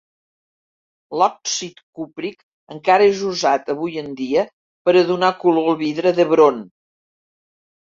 L'òxid cúpric encara és usat avui en dia per a donar color al vidre d'Hebron.